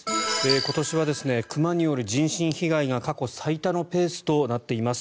今年は熊による人身被害が過去最多のペースとなっています。